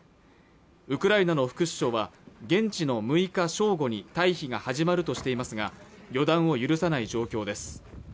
ウクライナの副首相は現地の６日正午に退避が始まるとしていますが予断を許さない状況です